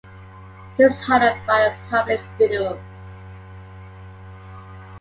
He was honored by a public funeral.